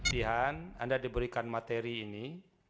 dihan anda diberikan materi ini